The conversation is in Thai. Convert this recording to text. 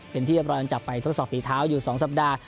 เป็นที่เรากำจับไปทดสอบฝีเท้าอยู่๒สัปดาห์